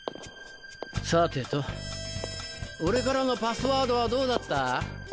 さてと俺からのパスワードはどうだった？